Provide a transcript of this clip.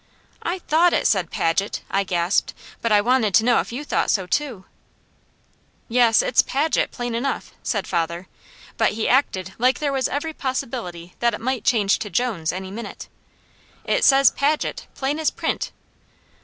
"I THOUGHT it said 'Paget,'" I gasped, "but I wanted to know if you thought so too." "Yes, it's Paget plain enough," said father, but he acted like there was every possibility that it might change to Jones any minute. "It says 'Paget,' plain as print."